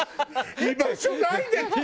居場所ないんですか？